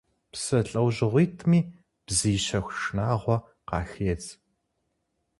Псы лӀэужьыгъуитӀми бзий щэху шынагъуэ къахедз.